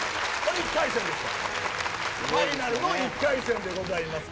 ファイナルの１回戦でございます。